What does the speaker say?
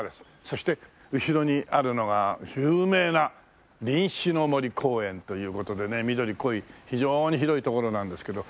そして後ろにあるのが有名な林試の森公園という事でね緑濃い非常に広い所なんですけど。